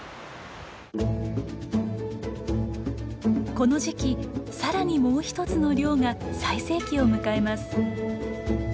この時期さらにもう一つの漁が最盛期を迎えます。